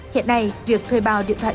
hiện nay việc thuê bào điện thoại dân